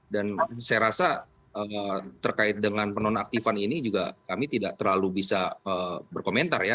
dan saya rasa terkait dengan penonaktifan ini juga kami tidak terlalu bisa berkomentar ya